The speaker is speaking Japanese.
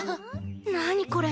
何これ？